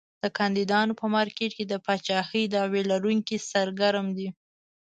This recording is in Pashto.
د کاندیدانو په مارکېټ کې د پاچاهۍ دعوی لرونکي سرګرم دي.